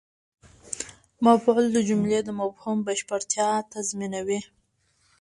مفعول د جملې د مفهوم بشپړتیا تضمینوي.